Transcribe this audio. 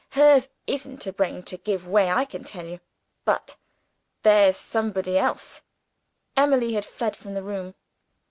Hers isn't a brain to give way, I can tell you. But there's somebody else " Emily had fled from the room.